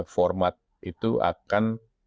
format itu akan